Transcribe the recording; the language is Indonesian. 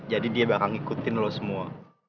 jadi dia bakal ngikutin lo semua